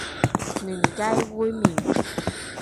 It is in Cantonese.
嫩雞煨麵